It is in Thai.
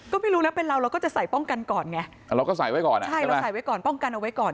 ก็ไม่รู้นะเป็นเราเราก็จะใส่ป้องกันก่อนไง